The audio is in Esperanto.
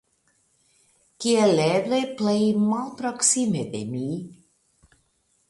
Kiel eble plej malproksime de mi.